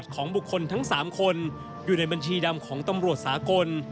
ของบุคคลทั้ง๓คนอยู่ในบัญชีดำของตำรวจสากล